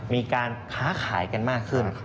มีการค้าขายกันมากขึ้น